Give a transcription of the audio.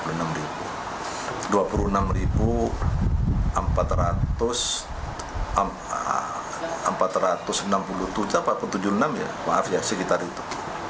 dua puluh enam empat ratus tujuh puluh itu maaf ya sekitar itu